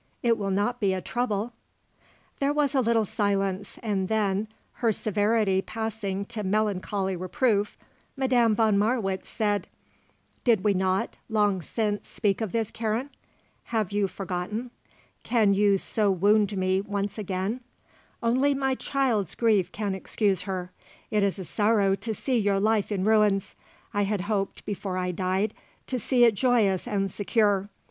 It will not be a trouble?" There was a little silence and then, her severity passing to melancholy reproof, Madame von Marwitz said: "Did we not, long since, speak of this, Karen? Have you forgotten? Can you so wound me once again? Only my child's grief can excuse her. It is a sorrow to see your life in ruins; I had hoped before I died to see it joyous and secure.